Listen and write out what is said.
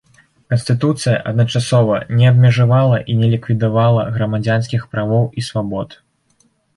Канстытуцыя, адначасова, не абмежавала і не ліквідавала грамадзянскіх правоў і свабод.